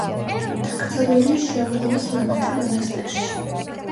დაკრძალულია შიომღვიმის მამათა მონასტერში.